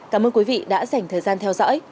cảm ơn quý vị đã dành thời gian theo dõi